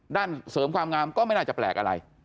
เสริมความงามก็ไม่น่าจะแปลกอะไร